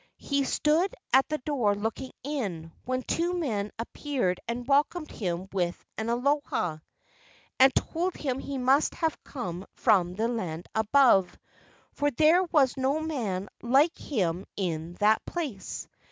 He stood at the door looking in, when two men ap¬ peared and welcomed him with an "Aloha," and told him he must have come from the land above, for there was no man like him in that place.